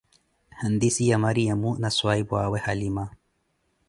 Handice ya Mariamo na swahiphuʼawe halima